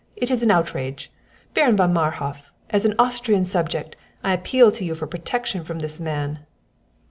This is an outrage! Baron von Marhof, as an Austrian subject, I appeal to you for protection from this man!"